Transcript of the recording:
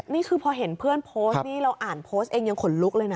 นี่คือพอเห็นเพื่อนโพสต์นี่เราอ่านโพสต์เองยังขนลุกเลยนะ